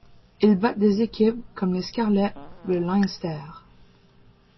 Il battent des équipes comme les Scarlets ou le Leinster.